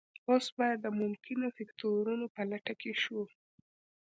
اوس باید د ممکنه فکتورونو په لټه کې شو